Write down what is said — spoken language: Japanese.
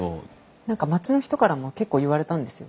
何か町の人からも結構言われたんですよ。